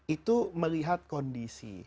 itu melihat kondisi